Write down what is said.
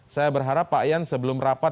saya berharap pak ian sebelum rapat